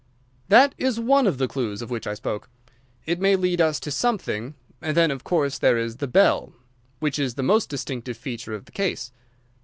"That is one of the clues of which I spoke. It may lead us to something. And then, of course, there is the bell—which is the most distinctive feature of the case.